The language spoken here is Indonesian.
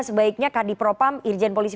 sebaiknya kadipropam irjen polisi